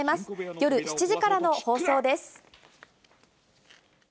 夜７時からの放送です。